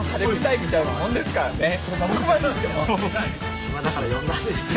暇だから呼んだんですよ。